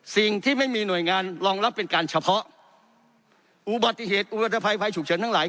สิ่งที่ไม่มีหน่วยงานรองรับเป็นการเฉพาะอุบัติเหตุอุบัติภัยภัยฉุกเฉินทั้งหลาย